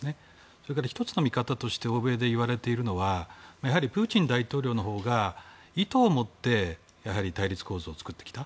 それから１つの見方として欧米でいわれているのはプーチン大統領のほうが意図をもって対立構造を作ってきた。